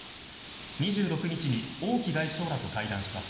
２６日に王毅外相らと会談します。